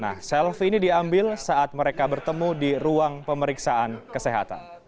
nah selfie ini diambil saat mereka bertemu di ruang pemeriksaan kesehatan